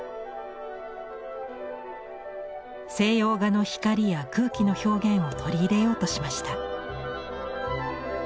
西洋画の光や空気の表現を取り入れようとしました。